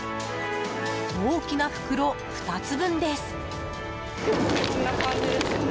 大きな袋２つ分です。